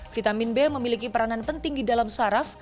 vitamin b memiliki peranan penting di dalam saraf